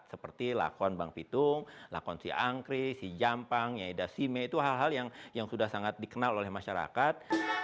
seperti lakon bang pitung lakon si angkri si jampang yaida sime itu hal hal yang sudah sangat dikenal oleh masyarakat